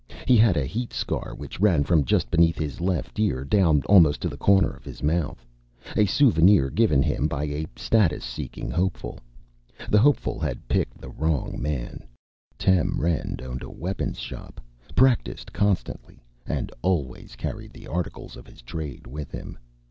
He had a heat scar which ran from just beneath his left ear down almost to the corner of his mouth, a souvenir given him by a status seeking hopeful. The hopeful had picked on the wrong man. Tem Rend owned a weapon shop, practiced constantly, and always carried the articles of his trade with him.